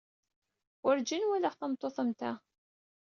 Werǧin walaɣ tameṭṭut am ta.